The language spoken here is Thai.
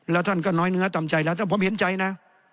แล้วท่านก็น้อยเนื้อต่ำใจแล้วแต่ผมเห็นใจนะ